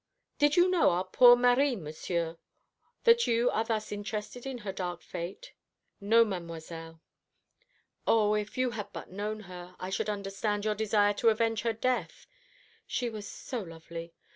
"Did you know our poor Marie, Monsieur, that you are thus interested in her dark fate?" "No, Mademoiselle." "O, if you had but known her, I should understand your desire to avenge her death. She was so lovely.